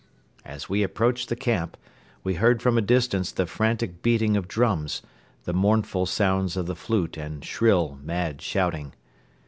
As we approached the camp, we heard from a distance the frantic beating of drums, the mournful sounds of the flute and shrill, mad shouting.